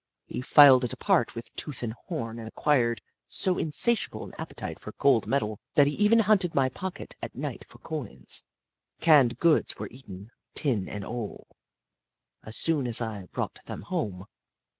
He filed it apart with tooth and horn and acquired so insatiable an appetite for cold metal that he even hunted my pockets at night for coins. Canned goods were eaten, tin and all, as soon as I brought them home.